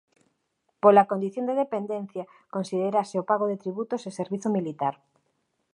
Pola condición de "dependencia" considérase o pago de tributos e servizo militar.